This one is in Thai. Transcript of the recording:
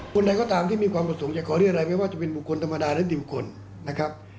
คนใดก็ตามที่มีความประสงค์จะขอเรียกอะไรไม่ว่าจะเป็นบุคคลธรรมดาหรือดิวคนนะครับ